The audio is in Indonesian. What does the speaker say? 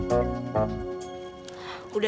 oh ini dia